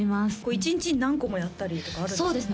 １日に何個もやったりとかあるんですね